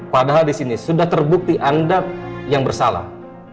padahal di sini sudah terbukti anda yang bersalah